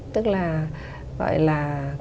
tức là gọi là